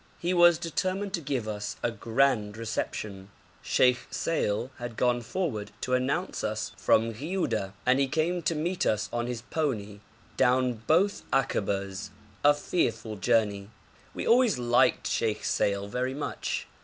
He was determined to give us a grand reception. Sheikh Seil had gone forward to announce us from Ghiuda, and he came to meet us on his pony down both akabas a fearful journey. [Illustration: VILLAGE OF MIS'HAL] We always liked Sheikh Seil very much.